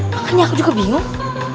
makanya aku juga bingung